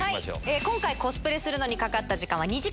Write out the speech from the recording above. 今回、コスプレするのにかかった時間は２時間。